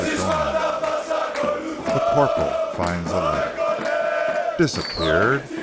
CHAPTER III THE CORPORAL FINDS A LETTER "DISAPPEARED!"